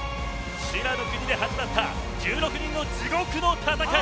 修羅の国で始まった１６人の地獄の戦い。